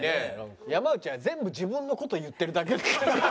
山内は全部自分の事言ってるだけだから。